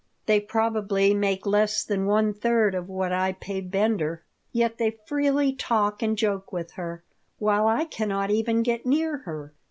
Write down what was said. They probably make less than one third of what I pay Bender. Yet they freely talk and joke with her, while I cannot even get near her."